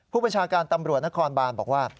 ประชาการตำรวจนครบานบอกว่า